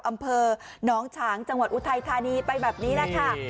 อำเภอหนองฉางจังหวัดอุทัยธานีไปแบบนี้แหละค่ะ